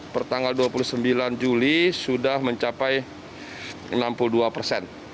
pertanggal dua puluh sembilan juli sudah mencapai enam puluh dua persen